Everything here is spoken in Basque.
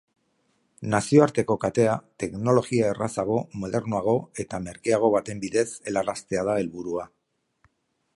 Nazioarteko katea teknologia errazago, modernoago eta merkeago baten bidez helaraztea da helburua.